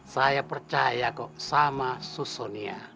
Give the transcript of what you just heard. saya percaya kok sama sus sonia